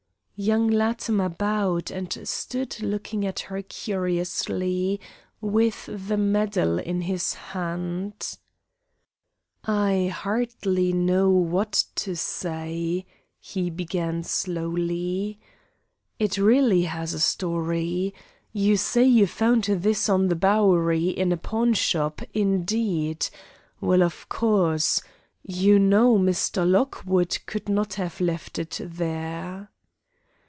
Young Latimer bowed, and stood looking at her curiously, with the medal in his hand. "I hardly know what to say," he began slowly. "It really has a story. You say you found this on the Bowery, in a pawnshop. Indeed! Well, of course, you know Mr. Lockwood could not have left it there."